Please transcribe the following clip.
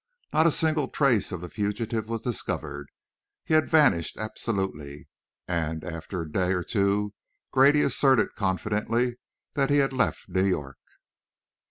Not a single trace of the fugitive was discovered; he had vanished absolutely, and, after a day or two, Grady asserted confidently that he had left New York.